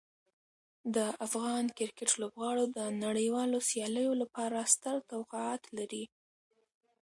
د افغان کرکټ لوبغاړو د نړیوالو سیالیو لپاره ستر توقعات لري.